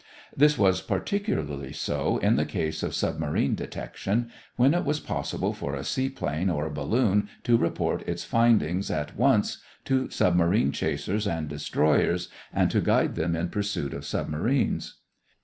This was particularly so in the case of submarine detection, when it was possible for a seaplane or a balloon to report its findings at once to submarine chasers and destroyers, and to guide them in pursuit of submarines.